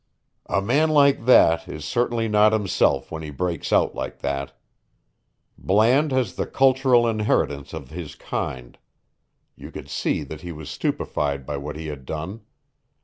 "A man like that is certainly not himself when he breaks out like that. Bland has the cultural inheritance of his kind. You could see that he was stupefied by what he had done.